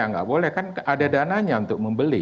nggak boleh kan ada dananya untuk membeli